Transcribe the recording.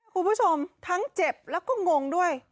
คุณผู้ชมทั้งเจ็บแล้วก็งงด้วย